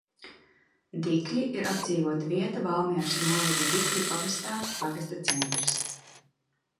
Dikļi ir apdzīvota vieta Valmieras novada Dikļu pagastā, pagasta centrs.